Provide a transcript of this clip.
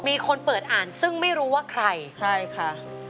มีคนเปิดอ่านซึ่งไม่รู้ว่าใครใครค่ะ